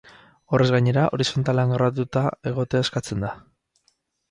Horrez gainera, horizontalean grabatuta egotea eskatzen da.